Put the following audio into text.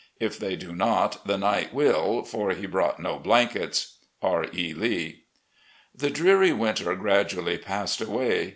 If they do not, the night will, for he brought no blankets. "R. E. Lee." The dreary winter gradually passed away.